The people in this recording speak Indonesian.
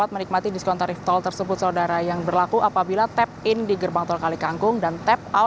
beri komentar di kolom komentar